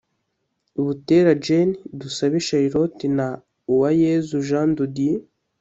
Bateta Jane Dusabe Charlotte na Uwayezu Jean de Dieu